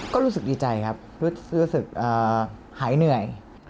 ก็รู้สึกดีใจครับรู้สึกหายเหนื่อย